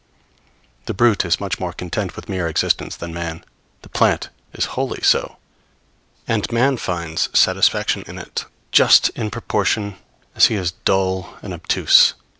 The brute is much more content with mere existence than man; the plant is wholly so; and man finds satisfaction in it just in proportion as he is dull and obtuse.